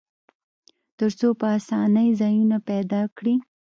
تر څو په آسانۍ ځایونه پیدا کړي.